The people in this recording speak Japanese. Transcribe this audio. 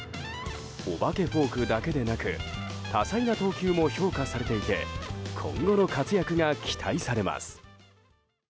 お化けフォークだけでなく多彩な投球も評価されていて今後の活躍が期待されます。